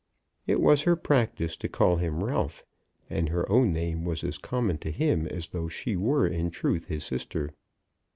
It was her practice to call him Ralph, and her own name was as common to him as though she were in truth his sister.